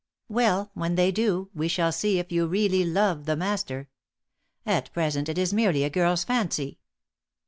Well, when they do, we shall see if you really love the Master. At present it is merely a girl's fancy."